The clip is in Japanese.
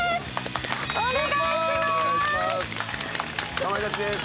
かまいたちでーす。